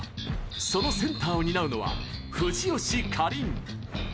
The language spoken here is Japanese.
そのセンターを担うのは藤吉夏鈴。